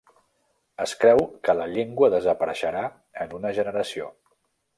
Es creu que la llengua desapareixerà en una generació.